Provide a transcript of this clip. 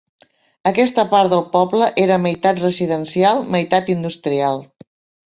Aquesta part del poble era meitat residencial, meitat industrial.